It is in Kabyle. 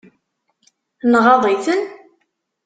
Nɣaḍ-iten?